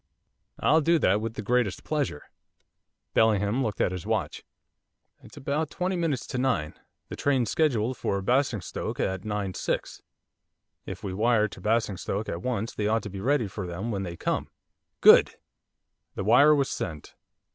'I'll do that with the greatest pleasure.' Bellingham looked at his watch. 'It's about twenty minutes to nine. The train's scheduled for Basingstoke at 9.6. If we wire to Basingstoke at once they ought to be ready for them when they come.' 'Good!' The wire was sent.